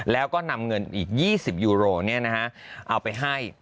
แล้วก็นำเงินอีกยี่สิบยูโรเนี่ยนะฮะเอาไปให้